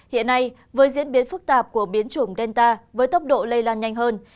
hiện nay với diễn biến phức tạp của biến chủng delta với tốc độ lây lan nhanh hơn